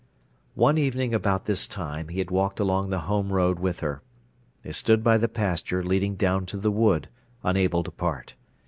One evening about this time he had walked along the home road with her. They stood by the pasture leading down to the wood, unable to part.